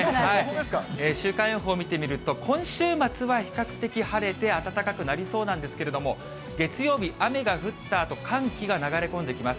週間予報を見てみると、今週末は比較的晴れて暖かくなりそうなんですけれども、月曜日、雨が降ったあと寒気が流れ込んできます。